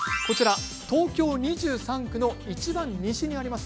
東京２３区のいちばん西にあります。